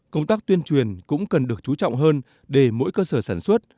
công tác tuyên truyền cũng cần được chú trọng hơn để mỗi cơ sở sản xuất